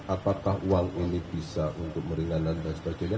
apakah uang ini bisa untuk meringankan dan sebagainya